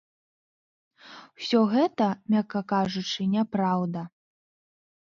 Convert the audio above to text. Усё гэта, мякка кажучы, няпраўда.